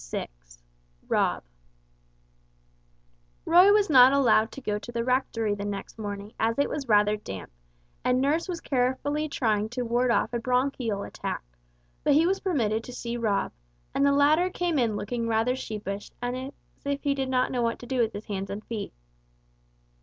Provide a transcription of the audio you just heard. VI ROB Roy was not allowed to go to the Rectory the next morning as it was rather damp, and nurse was carefully trying to ward off a bronchial attack, but he was permitted to see Rob, and the latter came in looking rather sheepish and as if he did not know what to do with his hands and his feet.